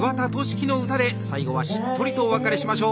希の歌で最後はしっとりとお別れしましょう。